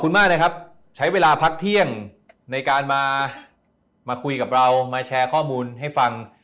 คุณมากเลยครับใช้เวลาพักเที่ยงในการมาคุยกับเรามาแชร์ข้อมูลให้ฟัง